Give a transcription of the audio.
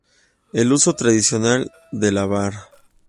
El uso tradicional de la var.